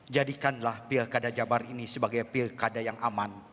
jadikanlah pilgada jabar ini sebagai pilgada yang aman